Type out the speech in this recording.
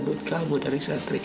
keenan obat yang penting